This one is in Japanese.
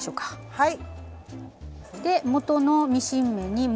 はい！